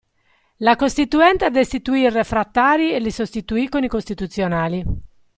La Costituente destituì i "refrattari" e li sostituì con i "costituzionali".